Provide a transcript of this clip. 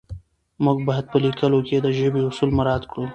موږ باید په لیکلو کې د ژبې اصول مراعت کړو